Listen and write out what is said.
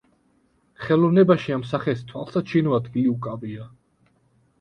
ხელოვნებაში ამ სახეს თვალსაჩინო ადგილი უკავია.